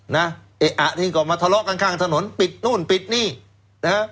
นะเอ๊ะอ่ะนี่ก็มาทะเลาะกันข้างถนนปิดนู่นปิดนี่นะฮะ